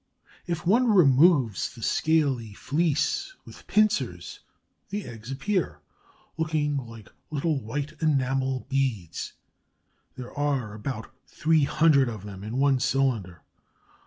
If one removes the scaly fleece with pincers the eggs appear, looking like little white enamel beads. There are about three hundred of them in one cylinder.